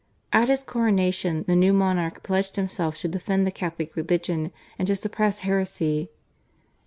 At his coronation the new monarch pledged himself to defend the Catholic religion and to suppress heresy.